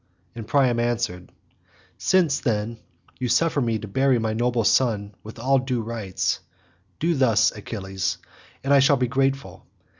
And Priam answered, "Since, then, you suffer me to bury my noble son with all due rites, do thus, Achilles, and I shall be grateful.